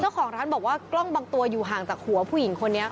เจ้าของร้านบอกว่ากล้องบางตัวอยู่ห่างจากหัวผู้หญิงคนนี้